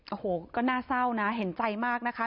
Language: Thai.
โอ้โหก็น่าเศร้านะเห็นใจมากนะคะ